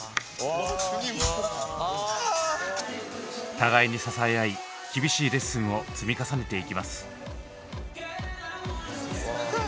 互いに支え合い厳しいレッスンを積み重ねていきます。